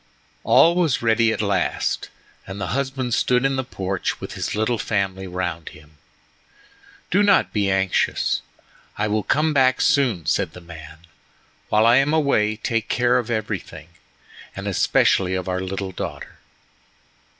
All was ready at last, and the husband stood in the porch with his little family round him. "Do not be anxious, I will come back soon," said the man. "While I am away take care of everything, and especially of our little daughter."